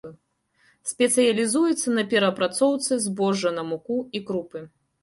Спецыялізуецца на перапрацоўцы збожжа на муку і крупы.